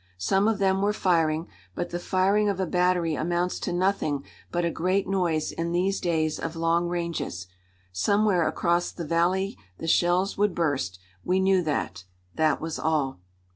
Some of them were firing; but the firing of a battery amounts to nothing but a great noise in these days of long ranges. Somewhere across the valley the shells would burst, we knew that; that was all.